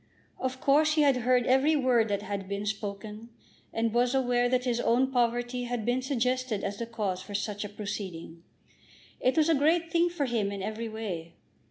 Of course he had heard every word that had been spoken, and was aware that his own poverty had been suggested as the cause for such a proceeding. It was a great thing for him in every way.